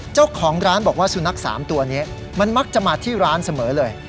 เจ้าของร้านบอกว่าสุนัข๓ตัวนี้มันมักจะมาที่ร้านเสมอเลย